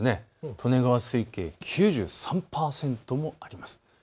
利根川水系、９３％もあります。